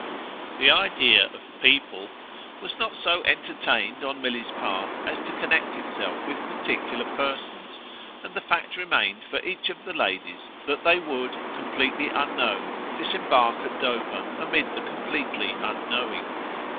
The idea of "people" was not so entertained on Milly's part as to connect itself with particular persons, and the fact remained for each of the ladies that they would, completely unknown, disembark at Dover amid the completely unknowing.